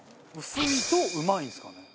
薄いとうまいんですかね？